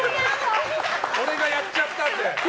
俺がやっちゃったって。